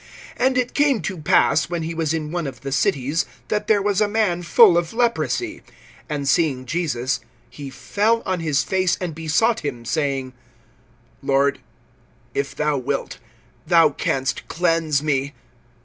(12)And it came to pass, when he was in one of the cities, that there was a man full of leprosy. And seeing Jesus he fell on his face, and besought him, saying: Lord, if thou wilt, thou canst cleanse me.